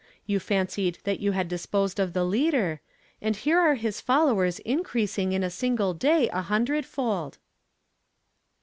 You fancied that you had disposed of the leader, and here are his followers increasing in a single day a hundred fold."